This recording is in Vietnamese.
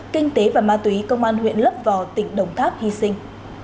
kinh tế và ma túy công an huyện lấp vò tỉnh đồng tháp hy sinh